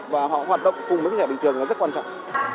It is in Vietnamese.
và họ hoạt động cùng với trẻ bình thường là rất quan trọng